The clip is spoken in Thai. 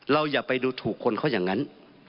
อย่าไปดูถูกคนเขาอย่างนั้น